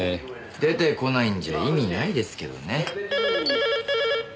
出てこないんじゃ意味ないですけどね。